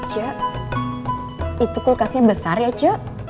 cuk itu kulkasnya besar ya cuk